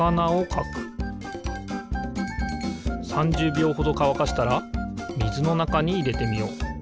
３０びょうほどかわかしたらみずのなかにいれてみよう。